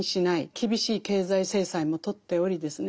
厳しい経済制裁もとっておりですね